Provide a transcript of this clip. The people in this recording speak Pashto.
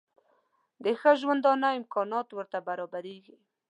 د ښه ژوندانه امکانات ورته برابرېږي.